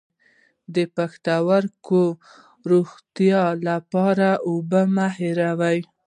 د پښتورګو د روغتیا لپاره اوبه مه هیروئ